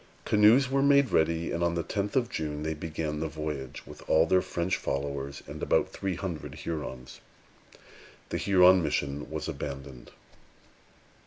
Canoes were made ready, and on the tenth of June they began the voyage, with all their French followers and about three hundred Hurons. The Huron mission was abandoned.